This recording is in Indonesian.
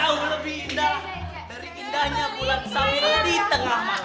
jauh lebih indah dari indahnya bulan sabil di tengah malam